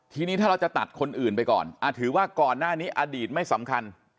ทีนี้ถ้าเราจะตัดคนอื่นไปก่อนถือว่าก่อนหน้านี้อดีตไม่สำคัญ